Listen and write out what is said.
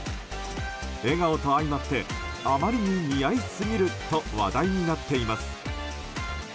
笑顔と相まってあまりに似合いすぎると話題になっています。